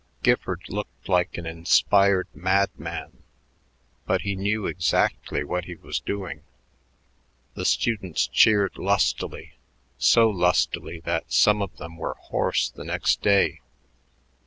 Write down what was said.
Gifford looked like an inspired madman, but he knew exactly what he was doing. The students cheered lustily, so lustily that some of them were hoarse the next day.